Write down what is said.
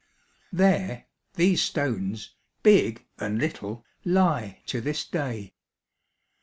There, these stones, big and little, lie to this day.